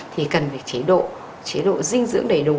thì cần phải chế độ chế độ dinh dưỡng đầy đủ